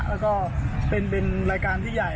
แล้วก็เป็นรายการที่ใหญ่